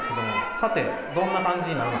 さてどんな感じになるのか。